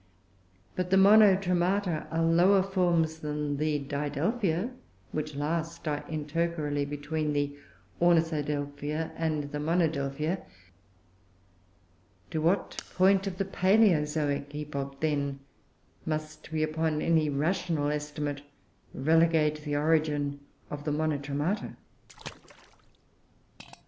But the Monotremata are lower forms than the Didelphia which last are intercalary between the Ornithodelphia and the Monodelphia. To what point of the Palaeozoic epoch, then, must we, upon any rational estimate, relegate the origin of the _Monotremata?